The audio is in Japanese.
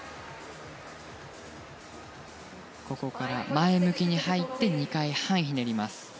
前向きに入って２回半ひねります。